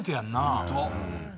ホント。